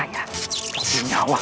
kalah mungkin lu